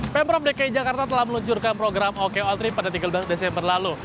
pemprov dki jakarta telah meluncurkan program oko trip pada tiga belas desember lalu